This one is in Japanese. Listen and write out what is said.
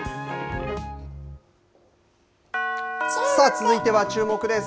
続いてはチューモク！です。